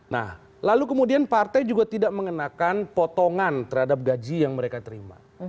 nah lalu kemudian partai juga tidak mengenakan potongan terhadap gaji yang mereka terima